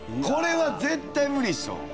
これは絶対無理っしょ。